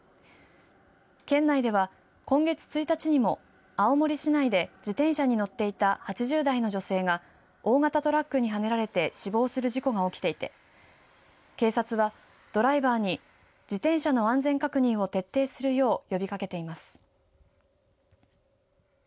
県内では、今月１日にも青森市内で自転車に乗っていた８０代の女性が大型トラックにはねられて死亡する事故が起きていて警察は、ドライバーに自転車の安全確認を徹底するよう呼びかけています。